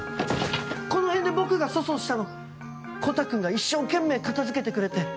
この辺で僕が粗相したのコタくんが一生懸命片付けてくれて。